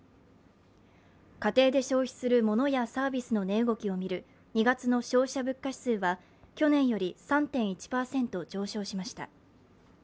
家庭で消費するモノやサービスの値動きを見る２月の消費者物価指数は去年より３．１％上昇しました。